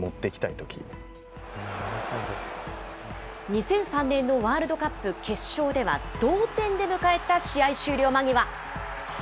２００３年のワールドカップ決勝では、同点で迎えた試合終了間際。